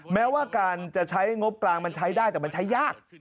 แม้ว่าการจะใช้งบกลางมันใช้ได้แต่มันใช้ยาก